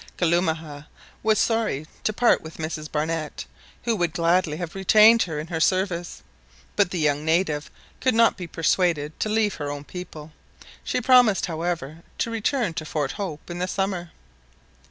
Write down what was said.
Kalumah was sorry to part with Mrs Barnett, who would gladly have retained her in her service, but the young native could not be persuaded to leave her own people; she promised, however, to return to Fort Hope in the summer.